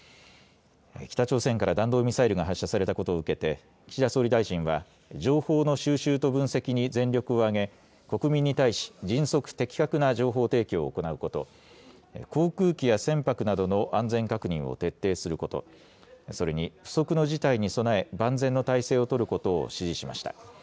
北朝鮮から弾道ミサイルが発射されたことを受けて岸田総理大臣は情報の収集と分析に全力を挙げ国民に対し迅速・的確な情報提供を行うこと、航空機や船舶などの安全確認を徹底すること、それに不測の事態に備え万全の態勢を取ることを指示しました。